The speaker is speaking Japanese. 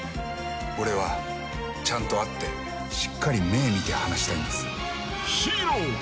俺は、ちゃんと会ってしっかり目見て話したいんです。